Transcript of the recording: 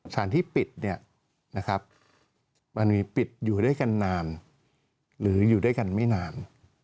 สถานที่ปิดเนี่ยนะครับมันมีปิดอยู่ด้วยกันนานหรืออยู่ด้วยกันไม่นาน